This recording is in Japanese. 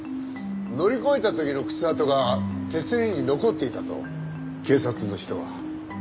乗り越えた時の靴跡が手すりに残っていたと警察の人が。